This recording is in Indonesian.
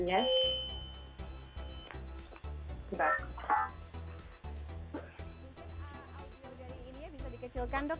mungkin audio dari ininya bisa dikecilkan dok